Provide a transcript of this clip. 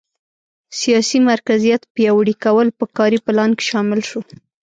سیاسي مرکزیت پیاوړي کول په کاري پلان کې شامل شو.